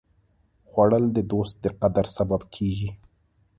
خوړل د دوست د قدر سبب کېږي